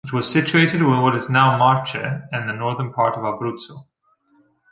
It was situated in what is now Marche and the northern part of Abruzzo.